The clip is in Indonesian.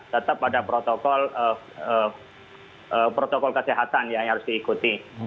tetap ada protokol kesehatan yang harus diikuti